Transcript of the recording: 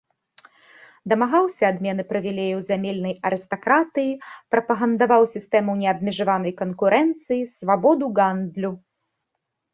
Дамагаўся адмены прывілеяў зямельнай арыстакратыі, прапагандаваў сістэму неабмежаванай канкурэнцыі, свабоду гандлю.